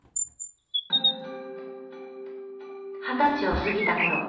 二十歳を過ぎた頃。